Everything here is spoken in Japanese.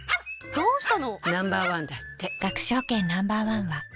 どうした？